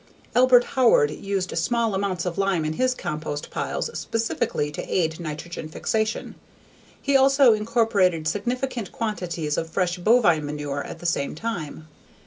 Albert Howard used small amounts of lime in his compost piles specifically to aid nitrogen fixation. He also incorporated significant quantities of fresh bovine manure at the same time.